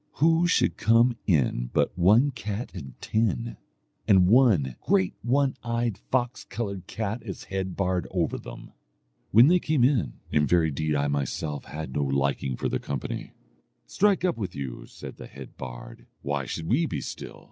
Who should come in but one cat and ten, and one great one eyed fox coloured cat as head bard over them. When they came in, in very deed I myself had no liking for their company. 'Strike up with you,' said the head bard, 'why should we be still?